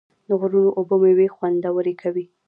د غرونو اوبه میوې خوندورې کوي.